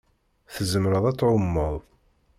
Tzemreḍ ad tɛummeḍ.